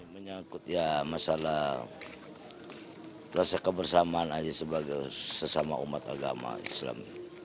menyangkut ya masalah rasa kebersamaan aja sebagai sesama umat agama islam